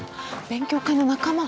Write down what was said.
勉強会の仲間。